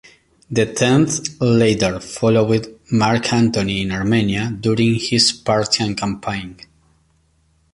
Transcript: The Tenth later followed Mark Antony in Armenia, during his Parthian campaign.